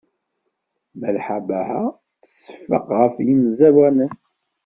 Malḥa Baḥa tseffeq ɣef yemẓawanen.